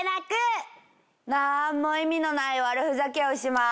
なんも意味のない悪ふざけをします。